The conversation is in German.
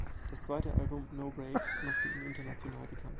Das zweite Album, "No Brakes", machte ihn international bekannt.